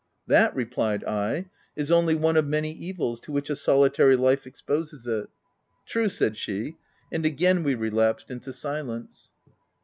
" That," replied I, " is only one of many evils to which a solitary life exposes us." " True," said she ; and again we relapsed into silence.